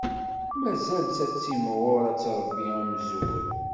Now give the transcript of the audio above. Mazal-tt ad timɣur, ad tṛebbi amzur.